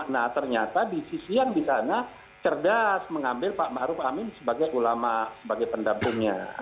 nah ternyata di sisi yang di sana cerdas mengambil pak maruf amin sebagai ulama sebagai pendampingnya